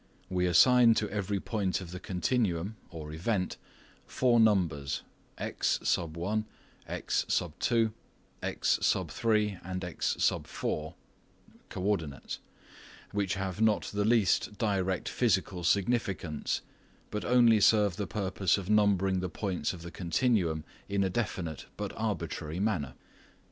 We assign to every point of the continuum (event) four numbers, x, x, x, x (co ordinates), which have not the least direct physical significance, but only serve the purpose of numbering the points of the continuum in a definite but arbitrary manner.